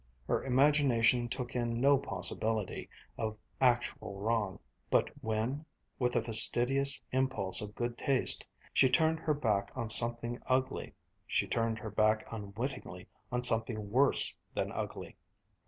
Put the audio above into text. Her imagination took in no possibility of actual wrong. But when, with a fastidious impulse of good taste, she turned her back on something ugly, she turned her back unwittingly on something worse than ugly.